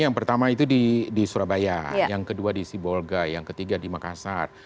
yang pertama itu di surabaya yang kedua di sibolga yang ketiga di makassar